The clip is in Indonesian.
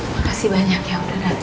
makasih banyak ya udah dapet